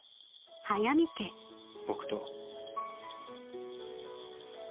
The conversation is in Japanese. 僕と。